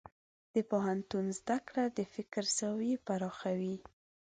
د پوهنتون زده کړه د فکر زاویې پراخوي.